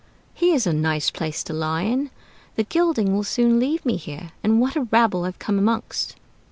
"Here's a nice place to lie in! The gilding will soon leave me here. And what a rabble I've come amongst!"